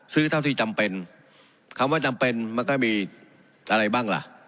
เท่าที่จำเป็นคำว่าจำเป็นมันก็มีอะไรบ้างล่ะ